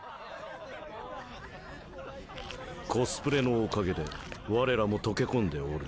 コスプレのおかげで我らも溶け込んでおるな。